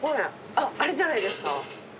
あっあれじゃないですか？